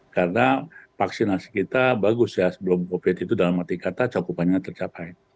karena vaksinasi kita bagus ya sebelum covid itu dalam arti kata cukup banyak tercapai